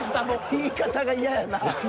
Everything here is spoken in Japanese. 言い方が嫌やなぁ。